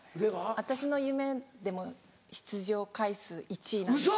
私の夢でも出場回数１位なんですよ。